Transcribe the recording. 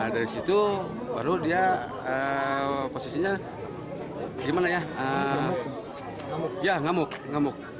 dari situ baru dia posisinya gimana ya ngamuk ngamuk